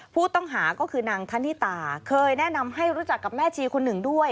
ผู้ต้องหาก็คือนางธนิตาเคยแนะนำให้รู้จักกับแม่ชีคนหนึ่งด้วย